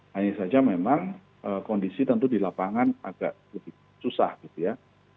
hanya saja memang kondisi tentu di lapangan agak lebih susah gitu ya